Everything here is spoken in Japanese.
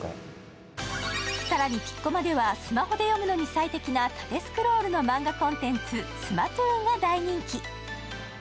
更にピッコマではスマホで読むのに最適な縦スクロールのコンテンツスマトゥーンが大人気。